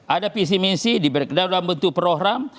ada visi misi diberkeda dalam bentuk program